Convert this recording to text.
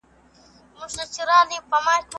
ادم ع د بشریت لپاره یوه ښه بیلګه ده.